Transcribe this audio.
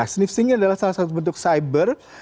sniff sync ini adalah salah satu bentuk cyber